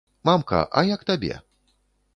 Мамка, а як табе?